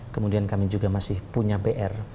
kemudian kami juga masih punya pr